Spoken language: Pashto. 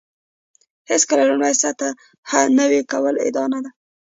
هېڅکله لومړۍ سطح نوي کول ادعا نه ده.